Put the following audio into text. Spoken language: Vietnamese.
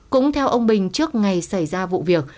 cũng theo ông bình trước ngày xảy ra vụ việc